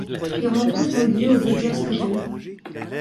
Les rencontres ont eu lieu au Dodger Stadium.